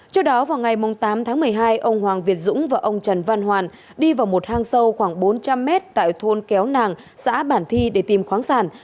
trước đó vào ngày tám tháng một mươi hai ông hoàng việt dũng và ông trần văn hoàn đi vào một hang sâu khoảng bốn trăm linh mét tại thôn kéo nàng xã bản thi để tìm khoáng sản